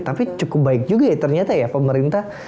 tapi cukup baik juga ya ternyata ya pemerintah